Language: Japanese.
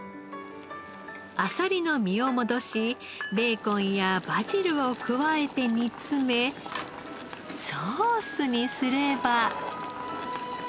アサリの身を戻しベーコンやバジルを加えて煮詰めソースにすれば。